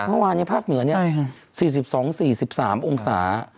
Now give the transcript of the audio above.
วันวันนี้ภาคเหนือ๔๒๔๓องศา